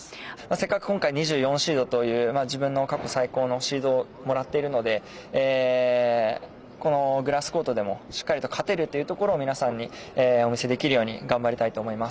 せっかく今回２４シードという自分の過去最高のシードをもらっているのでグラスコートでもしっかりと勝てるというところを皆さんにお見せできるように頑張りたいと思います。